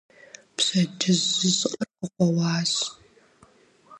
Пщэдджыжь жьы щӀыӀэр къыкъуэуащ.